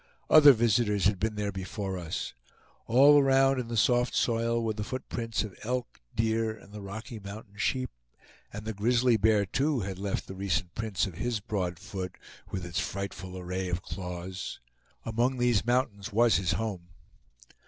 Other visitors had been there before us. All around in the soft soil were the footprints of elk, deer, and the Rocky Mountain sheep; and the grizzly bear too had left the recent prints of his broad foot, with its frightful array of claws. Among these mountains was his home.